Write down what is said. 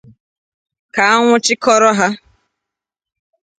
ka a nwụchikọrọ ha